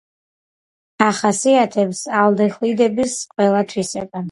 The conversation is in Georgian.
ახასიათებს ალდეჰიდების ყველა თვისება.